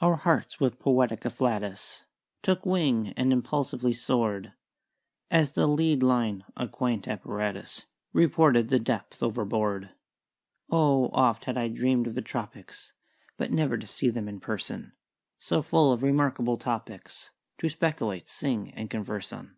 "Our hearts with poetic afflatus Took wing and impulsively soared As the lead line (a quaint apparatus) Reported the depth overboard. "Oh, oft had I dream'd of the tropics But never to see them in person So full of remarkable topics To speculate, sing, and converse on."